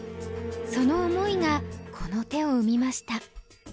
その思いがこの手を生みました。